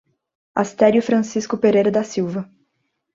Asterio Francisco Pereira da Silva